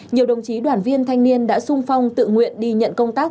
nhiều đồng chí đoàn viên thanh niên đã sung phong tự nguyện đi nhận công tác